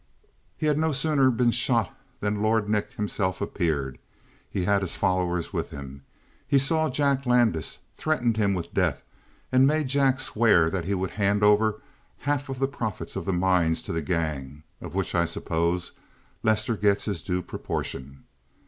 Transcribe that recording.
He had no sooner been shot than Lord Nick himself appeared. He had his followers with him. He saw Jack Landis, threatened him with death, and made Jack swear that he would hand over half of the profits of the mines to the gang of which, I suppose, Lester gets his due proportion.